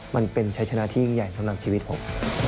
มันเป็นชัยชนะที่ยิ่งใหญ่สำหรับชีวิตผม